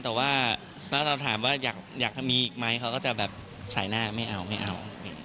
แต่ว่าถ้าเราถามว่าอยากจะมีอีกไหมเขาก็จะแบบสายหน้าไม่เอาไม่เอา